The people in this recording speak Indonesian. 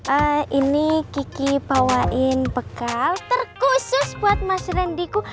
eh ini kiki bawain bekal terkhusus buat mas rendiku